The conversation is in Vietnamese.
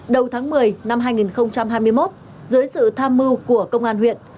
đầu tháng một mươi năm hai nghìn hai mươi một dưới sự tham mưu của công an huyện